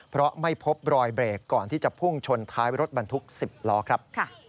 เพราะไม่พบรอยเบรกก่อนที่จะพุ่งชนท้ายรถบรรทุก๑๐ล้อครับ